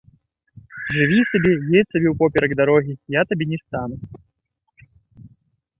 Жыві сабе, едзь сабе, упоперак дарогі я табе не стану.